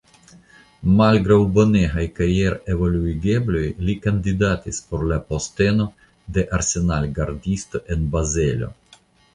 Malgraŭ bonegaj karierevoluigebloj li kandidatis por la posteno de arsenalgardisto en Bazelo.